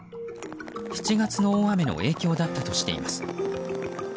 ７月の大雨の影響だったとしています。